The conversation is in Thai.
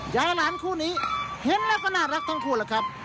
ยายหลานคู่นี้เห็นแล้วก็น่ารักทั้งคู่แหละครับ